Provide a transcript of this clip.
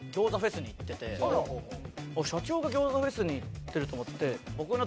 あっ社長が餃子フェスに行ってる！と思って。